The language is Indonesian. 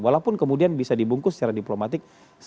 walaupun kemudian bisa dibungkus secara diplomatik